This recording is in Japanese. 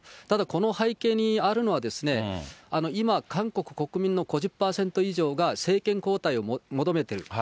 ただこの背景にあるのは、今、韓国国民の５０％以上が政権交代を求めてる。